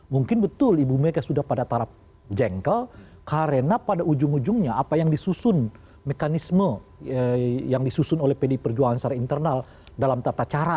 mungkin betul ibu mega sudah pada tarap jengkel karena pada ujung ujungnya apa yang disusun mekanisme yang disusun oleh pdi perjuangan secara internal dalam tata cara